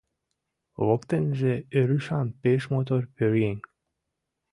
Воктеныже — ӧрышан пеш мотор пӧръеҥ.